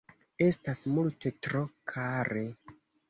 Estas multe tro kare.